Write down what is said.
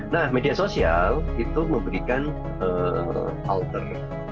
nah media sosial itu memberikan alter